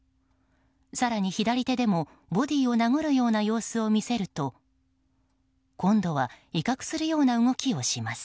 更に左手でも、ボディーを殴るような様子を見せると今度は威嚇するような動きをします。